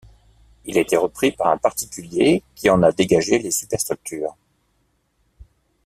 Il a été repris par un particulier qui en a dégagé les superstructures.